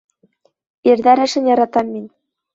Ирҙәр эшен яратам мин.